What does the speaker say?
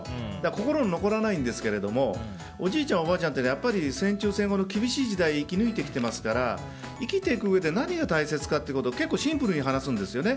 心に残らないんですけどおじいちゃん、おばあちゃんって戦中戦後の厳しい時代を生き抜いていますから生きているうえで何が大切か結構シンプルに話すんですよね。